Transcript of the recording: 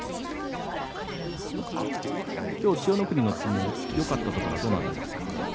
今日、千代の国の相撲よかったところはどの辺りですか。